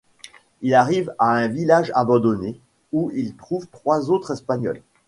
Il arrive à un village abandonné où il trouve trois autres Espagnols.